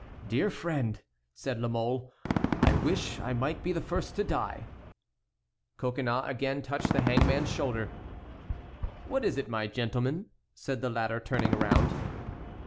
"Dear friend," said La Mole, "I wish I might be the first to die." Coconnas again touched the hangman's shoulder. "What is it, my gentleman?" said the latter, turning around.